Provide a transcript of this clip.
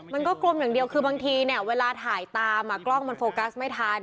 กลมอย่างเดียวคือบางทีเนี่ยเวลาถ่ายตามกล้องมันโฟกัสไม่ทัน